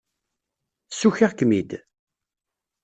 Ssukiɣ-kem-id?